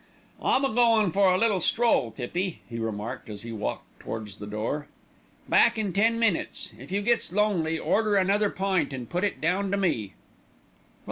"I'm a goin' for a little stroll, Tippy," he remarked, as he walked towards the door. "Back in ten minutes. If you gets lonely, order another pint an' put it down to me."